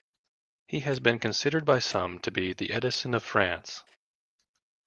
He has been considered by some to be "the Edison of France".